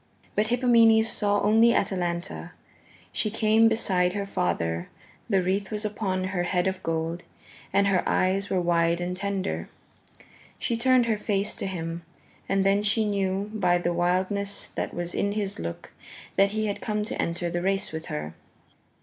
But Hippomenes saw only Atalanta. She came beside her father; the wreath was upon her head of gold, and her eyes were wide and tender. She turned her face to him, and then she knew by the wildness that was in his look that he had come to enter the race with her.